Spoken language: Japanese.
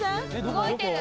動いてる。